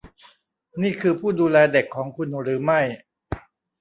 นี่คือผู้ดูแลเด็กของคุณหรือไม่ ?